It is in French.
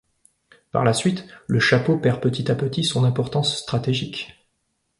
Par la suite, le château perd petit à petit de son importance stratégique.